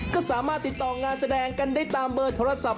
ก็สามารถติดต่องานแสดงกันได้ตามเบอร์โทรศัพท์